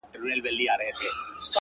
چاته يې لمنه كي څـه رانــه وړل ـ